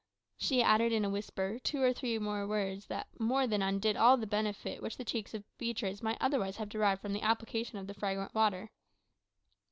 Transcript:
She added, in a whisper, two or three words that more than undid all the benefit which the cheeks of Beatriz might otherwise have derived from the application of the fragrant water.